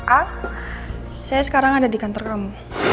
a saya sekarang ada di kantor kamu